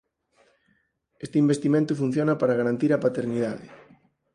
Este investimento funciona para garantir a paternidade.